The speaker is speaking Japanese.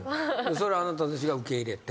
それをあなたたちが受け入れて。